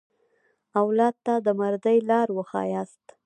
اولاد ته د مردۍ لاره وښیاست.